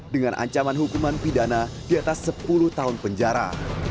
dengan ancaman hukuman pidana di atas sepuluh tahun penjara